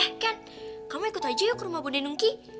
eh kan kamu ikut aja yuk ke rumah bunda nungki